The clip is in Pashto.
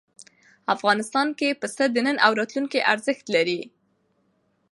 افغانستان کې پسه د نن او راتلونکي ارزښت لري.